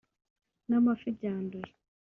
n’amafi byanduye